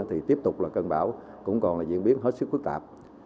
thì tiếp tục là cơn bão cũng còn diễn biến hết sức khuất tạp